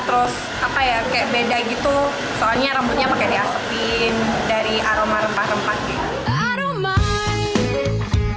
terus apa ya kayak beda gitu soalnya rambutnya pakai diasepin dari aroma rempah rempah gitu